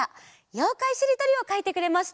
「ようかいしりとり」をかいてくれました。